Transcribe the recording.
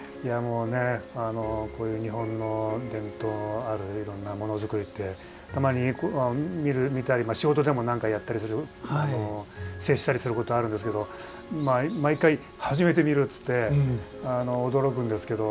こういう日本の伝統あるいろんな、ものづくりってたまに見たり仕事でもやったりする接したりすることはあるんですが毎回、初めて見るって言って驚くんですけど。